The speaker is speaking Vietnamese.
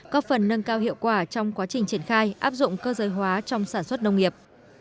có phần nâng cao hiệu quả trong quá trình triển khai áp dụng cơ giới hóa trong sản xuất nông nghiệp